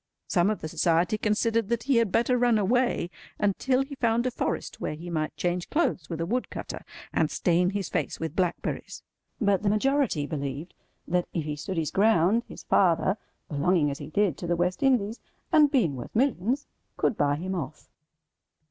Some of the Society considered that he had better run away until he found a forest where he might change clothes with a wood cutter, and stain his face with blackberries; but the majority believed that if he stood his ground, his father—belonging as he did to the West Indies, and being worth millions—could buy him off.